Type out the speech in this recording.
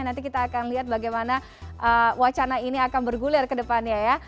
nanti kita akan lihat bagaimana wacana ini akan bergulir ke depannya ya